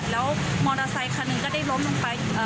แล้วมอเตอร์ไซคันหนึ่งก็ได้ล้มลงไป